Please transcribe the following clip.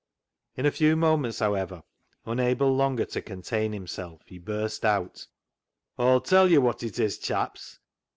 In a few moments, however, unable longer to contain himself, he burst out —" Aw'll tell yo' wot it is, chaps.